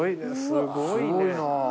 すごいね。